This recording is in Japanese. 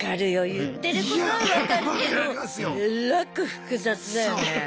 言ってることは分かるけどえらく複雑だよね。